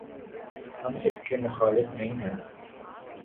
ہم اس کے مخالف نہیں ہیں۔